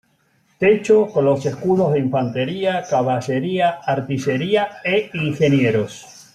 Techo con los escudos de Infantería, Caballería, Artillería e Ingenieros.